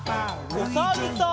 おさるさん。